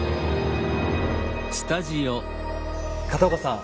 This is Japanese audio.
片岡さん